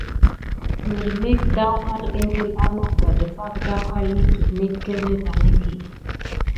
Mirmek daouhalà ékile à nakuda depak daouha lukude net kirini va neɗe.